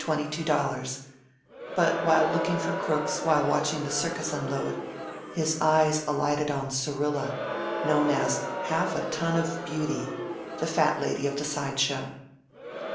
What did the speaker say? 00"; but, while looking for crooks while watching the circus unload, his eyes alighted on Syrilla, known as "Half a Ton of Beauty," the Fat Lady of the Side Show.